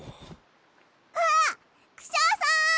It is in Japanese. あっクシャさん！